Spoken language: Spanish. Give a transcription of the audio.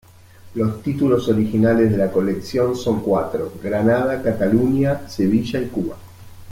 Los títulos originales de la colección son cuatro: Granada, Cataluña, Sevilla y Cuba.